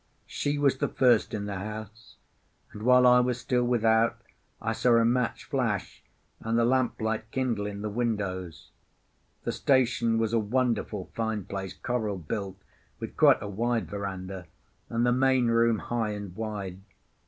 She was the first in the house; and while I was still without I saw a match flash and the lamplight kindle in the windows. The station was a wonderful fine place, coral built, with quite a wide verandah, and the main room high and wide.